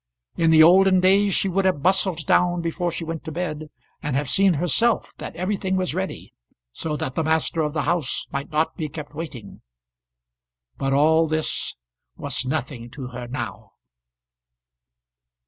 In the olden days she would have bustled down before she went to bed, and have seen herself that everything was ready, so that the master of the house might not be kept waiting. But all this was nothing to her now.